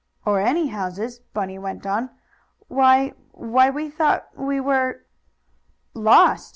"Or any houses," Bunny went on, "why why, we thought we were " "Lost!"